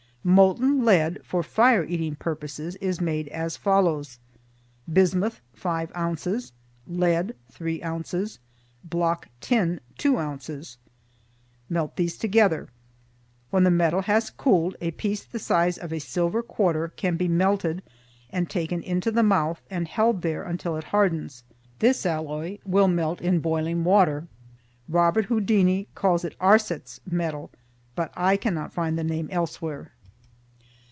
Molten lead, for fire eating purposes, is made as follows: Bismuth ............... 5 oz. Lead. ................ 3 oz. Block tin .............. 2 oz. Melt these together. When the metal has cooled, a piece the size of a silver quarter can be melted and taken into the mouth and held there until it hardens. This alloy will melt in boiling water. Robert Houdin calls it Arcet's metal, but I cannot find the name elsewhere.